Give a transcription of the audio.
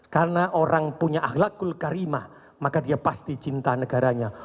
karena orang punya ahlakul karimah maka dia pasti cinta negaranya